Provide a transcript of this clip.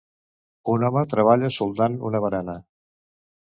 Un home treballa soldant una barana.